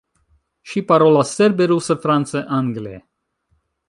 Ŝi parolas serbe, ruse, france, angle.